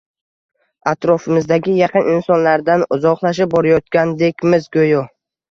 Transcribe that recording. atrofimizdagi yaqin insonlardan uzoqlashib borayotgandekmiz go‘yo.